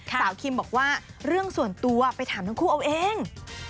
คิมบอกว่าเรื่องส่วนตัวไปถามทั้งคู่เอาเอง